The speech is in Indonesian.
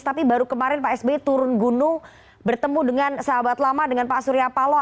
tapi baru kemarin pak sby turun gunung bertemu dengan sahabat lama dengan pak surya paloh